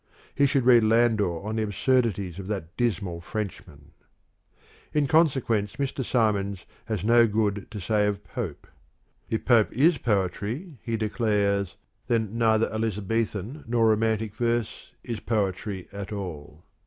He should read Landor on the absurdities of that dismal Frenchman.) In consequence Mr. Symons has no good to say of Pope. If Pope is poetry, he declares, then neither Elizabethan nor Romantic verse is poetry at all.